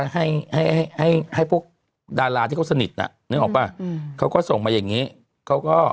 ให้ให้พวกดาราที่เขาสนิทน่ะนึกออกป่ะเขาก็ส่งมาอย่างนี้เขาก็